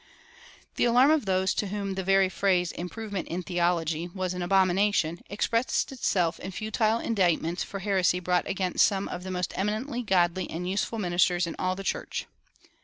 The alarm of those to whom the very phrase "improvement in theology" was an abomination expressed itself in futile indictments for heresy brought against some of the most eminently godly and useful ministers in all the church.